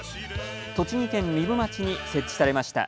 栃木県壬生町に設置されました。